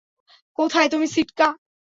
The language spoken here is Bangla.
কোথায় তুমি, সিটকা?